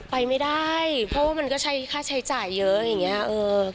ไปไม่ได้เพราะว่ามันก็ใช้ค่าใช้จ่ายเยอะอย่างเงี้ย